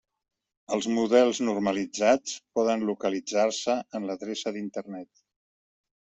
Els models normalitzats poden localitzar-se en l'adreça d'internet.